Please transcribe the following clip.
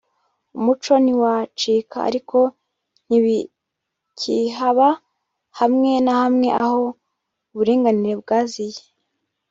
umuco ntiwacika ariko ntibikihaba hamwe na hamwe aho uburinganire bwaziye